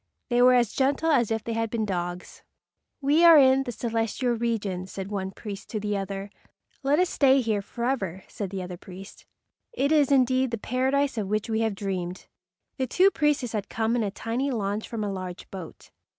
They were as gentle as if they had been dogs. "We are in the celestial regions," said one priest to the other. "Let us stay here forever," said the other priest. "It is indeed the Paradise of which we have dreamed." The two priests had come in a tiny launch from a large boat.